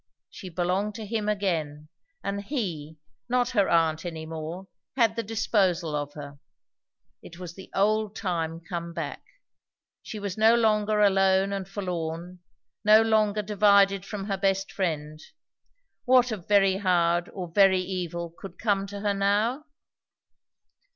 She belonged to him again, and he, not her aunt any more, had the disposal of her; it was the old time come back. She was no longer alone and forlorn; no longer divided from her best friend; what of very hard or very evil could come to her now?